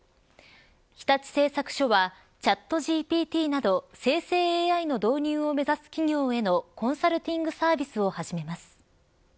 日立製作所はチャットＧＰＴなど生成ＡＩの導入を目指す企業へのコンサルティングサービスを始めます。